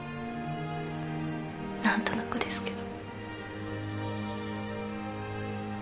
何となくですけど。